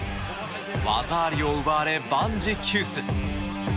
技ありを奪われ、万事休す。